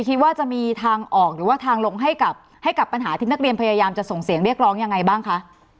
คิดว่าจะมีทางออกหรือว่าทางลงให้กับปัญหาที่นักเรียนพยายามจะส่งเสียงเรียกร้องยังไงบ้างคะ